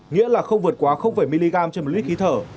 nghĩa là không vượt quá mg trên một lít khí thở